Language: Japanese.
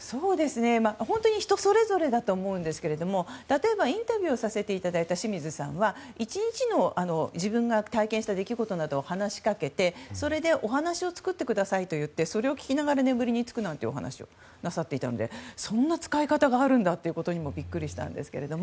本当に人それぞれだと思うんですけども例えばインタビューをさせていただいた清水さんは、１日の自分が体験した出来事などを話しかけてそれでお話を作ってくださいと言って、それを聞きながら眠りにつくというお話をなさっていたのでそんな使い方があるんだとビックリしたんですが。